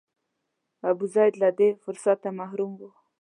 ابوزید له دې فرصته محروم و.